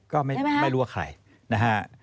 ก็ไม่รู้ว่าใครนะฮะ